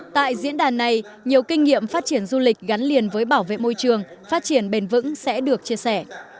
tại diễn đàn này nhiều kinh nghiệm phát triển du lịch gắn liền với bảo vệ môi trường phát triển bền vững sẽ được chia sẻ